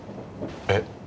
えっ？